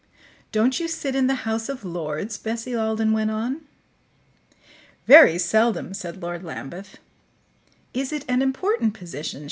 "Don't you sit in the House of Lords?" Bessie Alden went on. "Very seldom," said Lord Lambeth. "Is it an important position?"